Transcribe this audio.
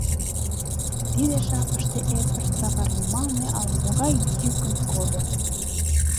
Тиде жапыште Эдвард савар йымалне ала-могай йӱкым кольо.